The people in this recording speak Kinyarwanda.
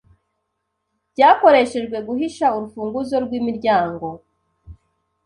Byakoreshejwe guhisha urufunguzo rwimiryango